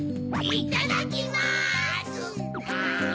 いっただきます！